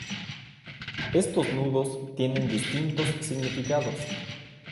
Estos nudos tienen distintos significados.